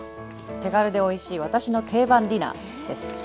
手軽でおいしい私の定番ディナーです。